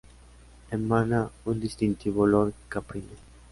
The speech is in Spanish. Emana un distintivo olor caprino.